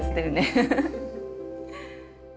フフフッ。